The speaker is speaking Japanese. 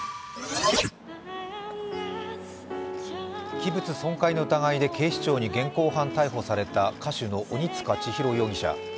器物損壊の疑いで警視庁に現行犯逮捕された歌手の鬼束ちひろ容疑者。